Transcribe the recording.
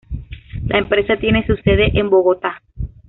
La empresa tiene su sede en Bogotá.